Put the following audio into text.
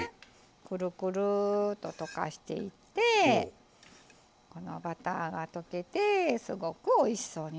くるくるっと溶かしていってこのバターが溶けてすごくおいしそうになってきます。